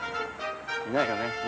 いないよね？